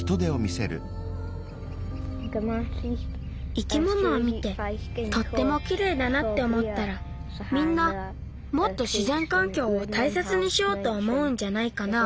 生き物を見てとってもきれいだなっておもったらみんなもっとしぜんかんきょうをたいせつにしようとおもうんじゃないかな。